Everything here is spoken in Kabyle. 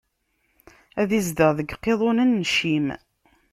Ad izdeɣ deg iqiḍunen n Cim!